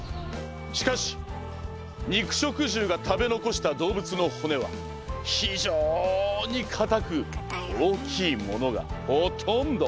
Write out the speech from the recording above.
しかし肉食獣が食べ残した動物の骨は非常に硬く大きいものがほとんど。